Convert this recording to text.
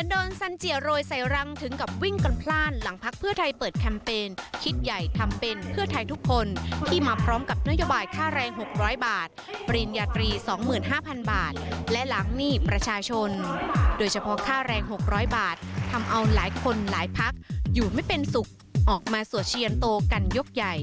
ว่าแรง๖๐๐บาททำเอาหลายคนหลายพักอยู่ไม่เป็นสุขออกมาสวชินโตกันยกใหญ่